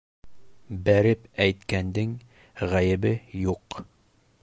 Бәреп әйткәндең ғәйебе юҡ.